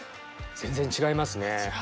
全然違いますね。